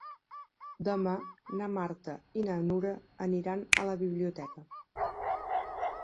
Demà na Marta i na Nura aniran a la biblioteca.